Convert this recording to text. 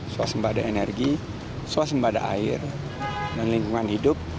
suasembada energi suasembada air dan lingkungan hidup